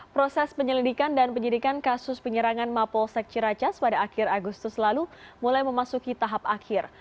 proses penyelidikan dan penyelidikan kasus penyerangan mapol sekci racas pada akhir agustus lalu mulai memasuki tahap akhir